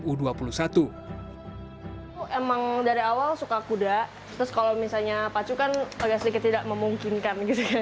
aku emang dari awal suka kuda terus kalau misalnya pacu kan agak sedikit tidak memungkinkan